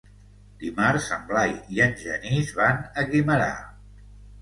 Dimarts en Blai i en Genís van a Guimerà.